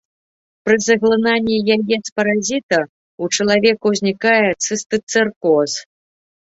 Пры заглынанні яец паразіта ў чалавека ўзнікае цыстыцэркоз.